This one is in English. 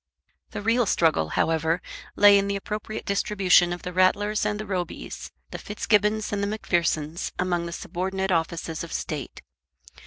The real struggle, however, lay in the appropriate distribution of the Rattlers and the Robys, the Fitzgibbons and the Macphersons among the subordinate offices of State.